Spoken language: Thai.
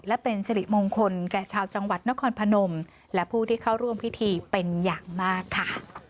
และเป็นสิริมงคลแก่ชาวจังหวัดนครพนมและผู้ที่เข้าร่วมพิธีเป็นอย่างมากค่ะ